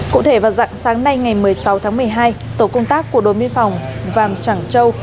cụ thể vào dặng sáng nay ngày một mươi sáu tháng một mươi hai tổ công tác của đội biên phòng vàng trẳng châu